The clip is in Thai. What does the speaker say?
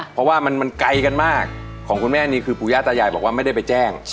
เพราะว่ามันไกลกันมากของคุณแม่นี่คือปู่ย่าตายายบอกว่าไม่ได้ไปแจ้ง